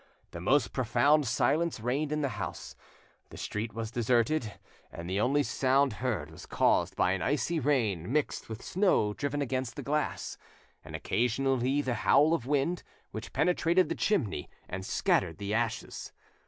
The most profound silence reigned in the house, the street was deserted, and the only sound heard was caused by an icy rain mixed with snow driven against the glass, and occasionally the howl of the wind, which penetrated the chimney and scattered the ashes.